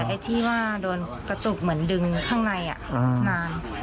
ไอ้ที่ว่าโดนกระจุกเหมือนดึงข้างในนาน